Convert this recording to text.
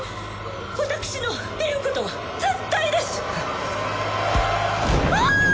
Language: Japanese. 私の言うことは絶対ですああーっ！